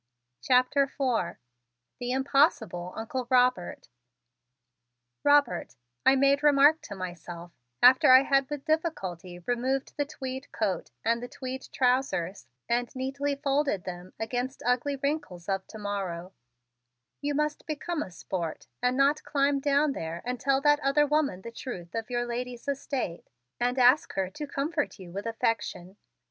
CHAPTER IV THE IMPOSSIBLE UNCLE ROBERT "Robert," I made remark to myself after I had with difficulty removed the tweed coat and the tweed trousers and neatly folded them against ugly wrinkles of to morrow, "you must become a sport and not climb down there and tell that other woman the truth of your lady's estate and ask her to comfort you with affection.